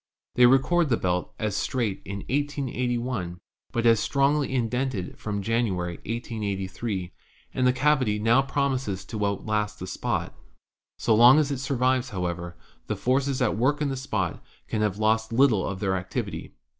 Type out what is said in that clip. They record the belt as straight in 188 1, but as strongly indented from January, 1883 ; and the cavity now promises to outlast the spot. So long as it survives, however, the forces at work in the spot can have lost little of their activity.